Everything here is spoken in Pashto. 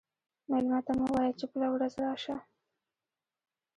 مېلمه ته مه وایه چې بله ورځ راشه.